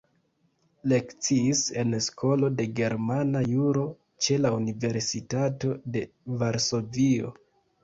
Lekciis en Skolo de Germana Juro ĉe la Universitato de Varsovio.